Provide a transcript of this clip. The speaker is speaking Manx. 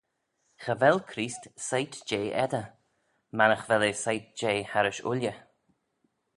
Cha vel Chreest soit jeh edyr, mannagh vel eh soit jeh harrish ooilley.